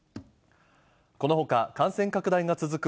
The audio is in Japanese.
このほか感染拡大が続く